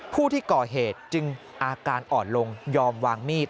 ผู้ที่ก่อเหตุจึงอาการอ่อนลงยอมวางมีด